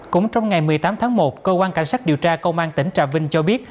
cũng trong ngày một mươi tám tháng một cơ quan cảnh sát điều tra công an tỉnh trà vinh cho biết